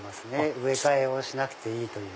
植え替えをしなくていいという。